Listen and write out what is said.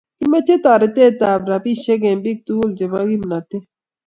kimeche toretee ne bo robishek eng' biik tugul che bo kimnotee